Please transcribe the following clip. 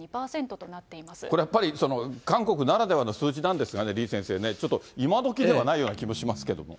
これやっぱり、韓国ならではの数字なんですかね、李先生ね、ちょっと今どきではないような気もしますけれども。